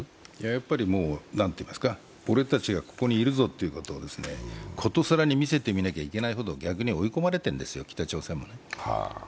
やっぱり俺たちがここにいるぞとことさらに見せてみないといけないほど、逆に追い込まれているんですよ、北朝鮮は。